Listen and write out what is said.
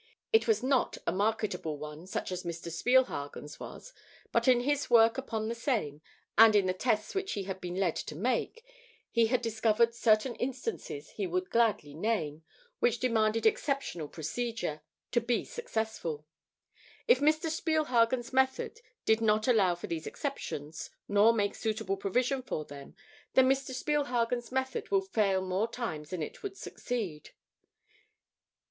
It was not a marketable one, such as Mr. Spielhagen's was, but in his work upon the same, and in the tests which he had been led to make, he had discovered certain instances he would gladly name, which demanded exceptional procedure to be successful. If Mr. Spielhagen's method did not allow for these exceptions, nor make suitable provision for them, then Mr. Spielhagen's method would fail more times than it would succeed.